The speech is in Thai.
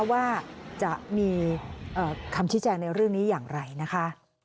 ว่าจะมีคำชี้แจงในเรื่องนี้อย่างไรนะคะ